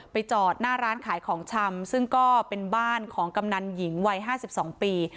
จอดหน้าร้านขายของชำซึ่งก็เป็นบ้านของกำนันหญิงวัย๕๒ปี